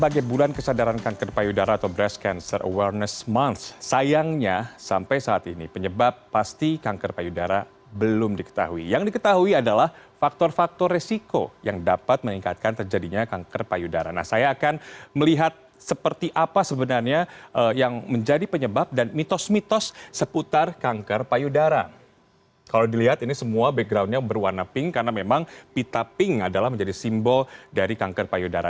kalau dilihat ini semua backgroundnya berwarna pink karena memang pita pink adalah menjadi simbol dari kanker payudara